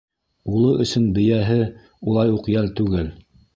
Улы өсөн бейәһе улай уҡ йәл түгел.